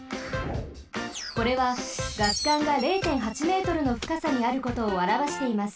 これはガス管が０．８Ｍのふかさにあることをあらわしています。